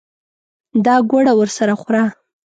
دا ګوړه ورسره خوره.